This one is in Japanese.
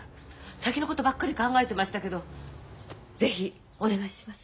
先のことばっかり考えてましたけど是非お願いします。